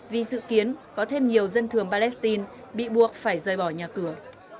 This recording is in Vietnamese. vì dự kiến có thêm nhiều dân thường palestine bị buộc phải rời bỏ nhà cửa